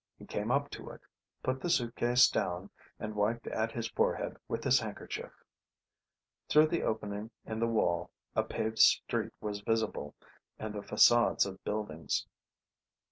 He came up to it, put the suitcase down, and wiped at his forehead with his handkerchief. Through the opening in the wall a paved street was visible, and the facades of buildings.